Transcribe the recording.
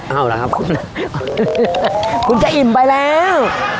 เอาล่ะครับคุณคุณจะอิ่มไปแล้ว